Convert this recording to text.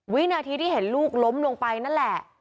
วินาทีที่เห็นลูกล้มลงไปนั่นแหละ